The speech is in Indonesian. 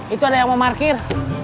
itu ada yang mau parkir